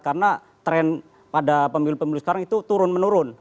karena tren pada pemilu pemilu sekarang itu turun menurun